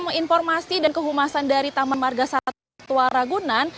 namun informasi dan kehumasan dari taman marga satwa ragunan